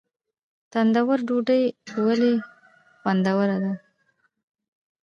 تندور ډوډۍ ولې خوندوره ده؟